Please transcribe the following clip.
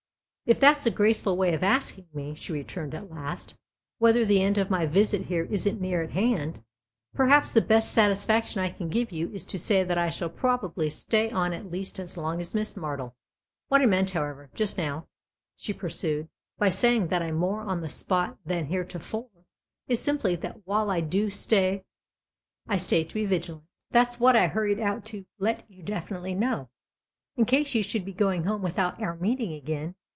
" If that's a graceful way of asking me," she returned at last, " whether the end of my visit here isn't near at hand, perhaps the best satisfaction I can give you is to say that I shall probably stay on at least as long as Miss Martle. What I meant, however, just now," she pursued, " by saying that I'm more on the spot than heretofore, is simply that while I do stay THE OTHER HOUSE 197 I stay to be vigilant. That's what I hurried out to let you definitely know, in case you should be going home without our meeting again.